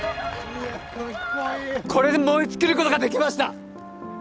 これで燃え尽きることができました